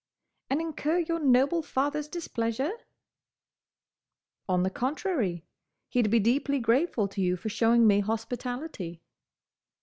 "And incur your noble father's displeasure?" "On the contrary. He'd be deeply grateful to you for showing me hospitality."